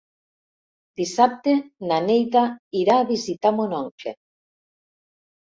Dissabte na Neida irà a visitar mon oncle.